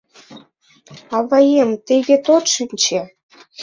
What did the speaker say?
«Аваем, тый вет от шинче